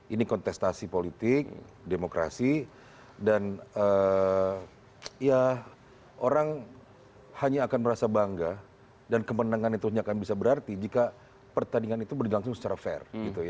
ini kontestasi politik demokrasi dan ya orang hanya akan merasa bangga dan kemenangan itu hanya akan bisa berarti jika pertandingan itu berlangsung secara fair